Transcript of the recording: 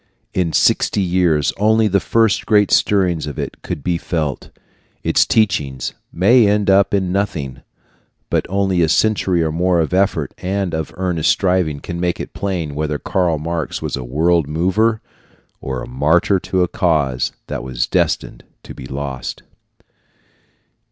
In sixty years only the first great stirrings of it could be felt. Its teachings may end in nothing, but only a century or more of effort and of earnest striving can make it plain whether Karl Marx was a world mover or a martyr to a cause that was destined to be lost.